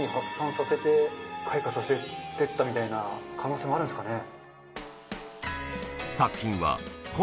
開花させてったみたいな可能性もあるんすかね？